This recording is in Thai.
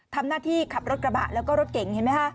ทำหน้าที่ขับรถกระบะแล้วก็รถเก่งเห็นไหมคะ